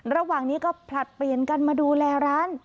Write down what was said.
ระหว่างนี้ก็ผลัดเปลี่ยนกันมาดูแลร้าน